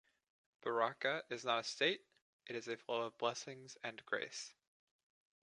Baraka is not a state, it is a flow of blessings and grace.